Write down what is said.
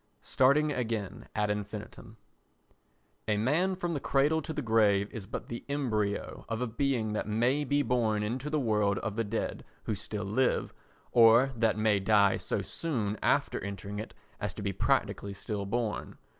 Starting again ad Infinitum A man from the cradle to the grave is but the embryo of a being that may be born into the world of the dead who still live, or that may die so soon after entering it as to be practically still born.